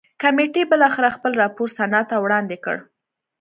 کمېټې بالاخره خپل راپور سنا ته وړاندې کړ.